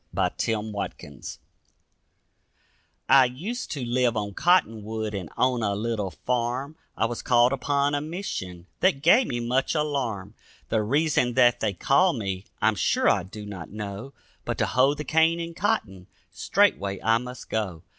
A MORMON SONG I used to live on Cottonwood and owned a little farm, I was called upon a mission that gave me much alarm; The reason that they called me, I'm sure I do not know. But to hoe the cane and cotton, straightway I must go.